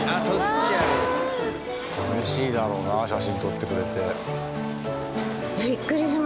嬉しいだろうな写真撮ってくれて。